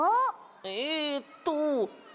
えっと